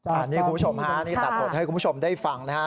อันนี้คุณผู้ชมครับอันนี้ตัดส่วนให้คุณผู้ชมได้ฟังนะครับ